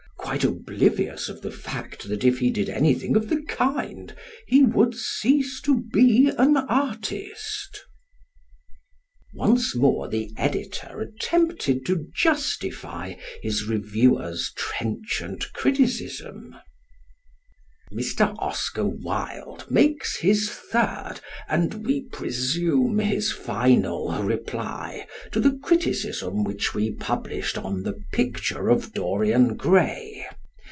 quite oblivious of the fact that if he did anything of the kind he would cease to be an artist._ Once more the Editor attempted to justify his reviewer's trenchant criticism: Mr. Oscar Wilde makes his third and, we presume, his final reply to the criticism which we published on "The Picture of Dorian Gray."